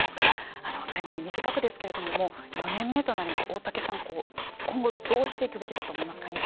最後に短くですけれども４年目となりますが大竹さん、今後どうしていくべきだと思いますか